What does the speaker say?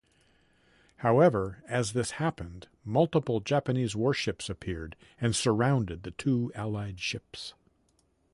However, as this happened, multiple Japanese warships appeared and surrounded the two Allied ships.